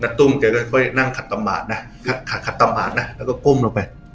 ตุ้มแกก็ค่อยนั่งขัดตำหมาดนะขัดขัดนะแล้วก็ก้มลงไป